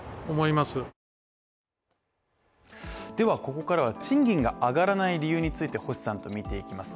ここからは賃金が上がらない理由について星さんとみていきます。